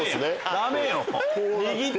ダメよ！